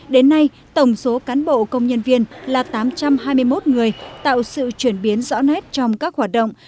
đến nay tổng số cán bộ công nhân viên là tám trăm hai mươi một người tạo sự chuyển biến rõ nét trong các hoạt động